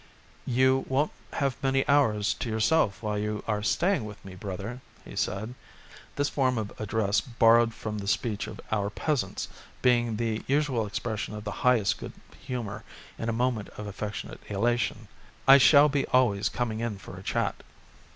"You won't have many hours to yourself while you are staying with me, brother," he said this form of address borrowed from the speech of our peasants being the usual expression of the highest good humour in a moment of affectionate elation. "I shall be always coming in for a chat."